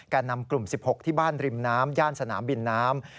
นำกลุ่ม๑๖ที่บ้านริมน้ำย่านสนามบินน้ำ